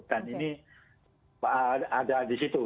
dan ini ada di situ